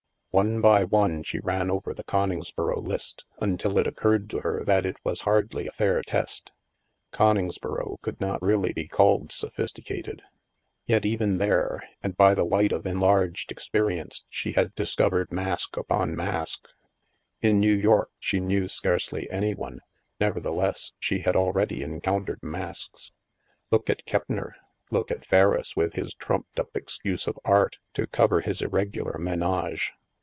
One by one, she ran over the Coningsboro list, un til it occurred to her that it was hardly a fair test. Coningsboro could not really be called sophisticated. Yet even there, and by the light of enlarged ex perience, she had discovered mask upon mask. In New York, she knew scarcely any one ; never theless, she had already encountered masks. Look at Keppner ! Look at Ferriss, with his trumped up excuse of Art" to cover his irregular menage!